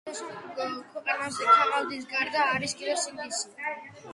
გახსოვდეს, რომ ქვეყანაზე ქაღალდის გარდა არის კიდევ სინდისი